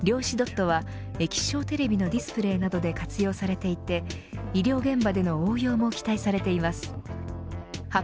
量子ドットは液晶テレビのディスプレイなどで活用されていて医療現場での応用も期待されています。